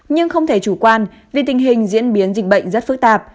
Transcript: nhưng không thể chủ quan vì tình hình diễn biến dịch bệnh rất phức tạp